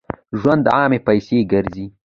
ژوندي علم پسې ګرځي